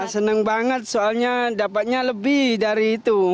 senang banget soalnya dapatnya lebih dari itu